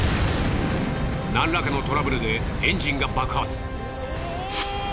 何らかのトラブルでエンジンが爆発。